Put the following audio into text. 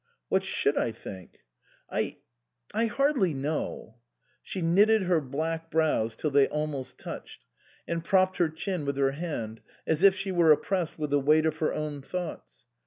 "What should I think?" "I I hardly know." She knitted her black brows till they almost touched, and propped her chin with her hand, as if she were oppressed with the weight of her own thoughts.